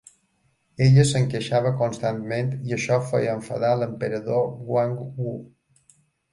Ella se'n queixava constantment i això feia enfadar l'emperador Guangwu.